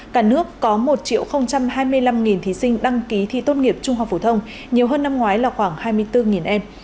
cả nước có một hai mươi năm thí sinh đăng ký thi tốt nghiệp trung học phổ thông nhiều hơn năm ngoái là khoảng hai mươi bốn em